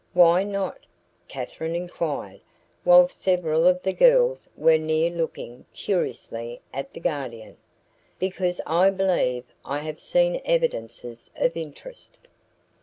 "Why not?" Katherine inquired, while several of the girls who were near looked curiously at the Guardian. "Because I believe I have seen evidences of interest."